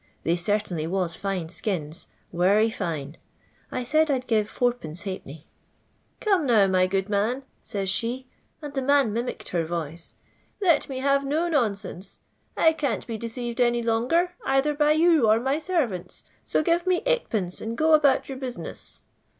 They certainly waa fine akina — werry fine. I said I'd give i^d. 'Come now, my good man,' says she," and the man mimicked her Toice, "Met me have no nonsense. I can't be deceived any longer, cither by yon or my ser vants ; so give me Sd., and go about your busi ness.'